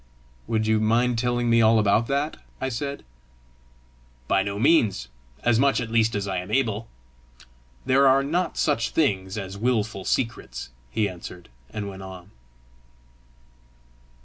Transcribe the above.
"Would you mind telling me all about that?" I said. "By no means as much at least as I am able: there are not such things as wilful secrets," he answered and went on.